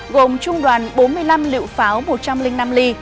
gồm trung đoàn bốn mươi năm lựu pháo một trăm linh năm ly